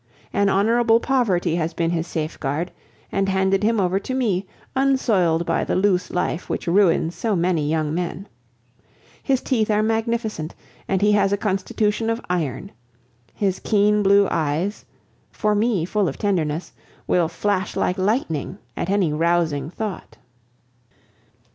An honorable poverty has been his safeguard, and handed him over to me, unsoiled by the loose life which ruins so many young men. His teeth are magnificent, and he has a constitution of iron. His keen blue eyes, for me full of tenderness, will flash like lightning at any rousing thought.